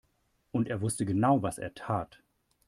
Und er wusste genau, was er tat.